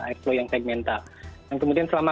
eksplo yang segmental yang kemudian selama